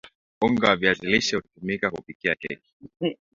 unga wa viazi lishe hutumika kupikia keki